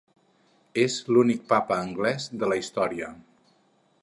És l'únic papa anglès de la història.